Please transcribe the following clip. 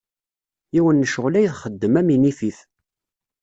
Yiwen n ccɣxel ay txeddem am inifif.